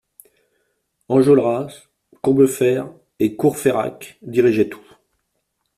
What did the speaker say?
Enjolras, Combeferre et Courfeyrac dirigeaient tout.